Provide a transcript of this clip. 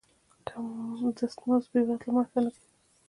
کم دست مزد بې وزلو مرسته نه کوي.